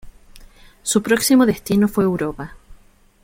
Su próximo destino fue Europa.